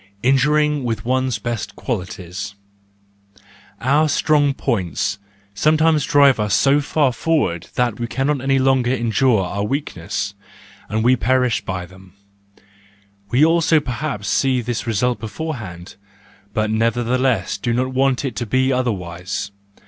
Injuring with one's best Qualities .—Our strong points sometimes drive us so far forward that we cannot any longer endure our weaknesses, and we perish by them: we also perhaps see this result beforehand, but nevertheless do not want it to be otherwise.